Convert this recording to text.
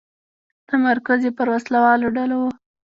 تمرکز یې پر وسله والو ډلو و.